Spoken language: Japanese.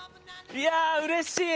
いやあ、うれしい！